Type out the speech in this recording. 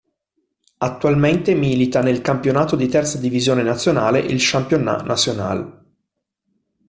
Attualmente milita nel campionato di terza divisione nazionale, il Championnat National.